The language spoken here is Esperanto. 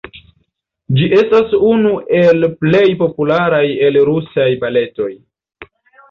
Ĝi estas unu el plej popularaj el la Rusaj Baletoj.